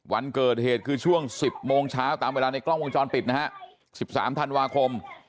วันเกิดเหตุคือช่วง๑๐โมงเช้าตามเวลาในกล้องวงจรปิดนะฮะ๑๓ธันวาคม